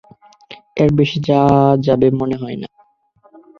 এর বেশি যাওয়া যাবে না মনে হয়।